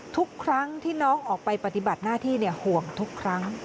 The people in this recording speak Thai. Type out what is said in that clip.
ทุกครั้งที่น้องออกไปปฏิบัติหน้าที่ห่วงทุกครั้ง